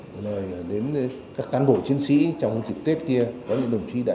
bộ trưởng cũng biểu dương toàn thể cán bộ chiến sĩ lực lượng công an nhân dân đã nêu cao tinh thần trách nhiệm